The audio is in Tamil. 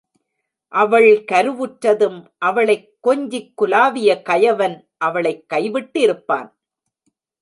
அவள் கருவுற்றதும், அவளைக் கொஞ்சிக்குலாவிய கயவன் அவளைக் கைவிட்டிருப்பான்.